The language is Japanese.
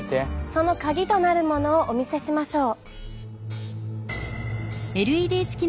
そのカギとなるものをお見せしましょう。